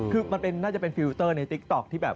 คือมันน่าจะเป็นฟิลเตอร์ในติ๊กต๊อกที่แบบ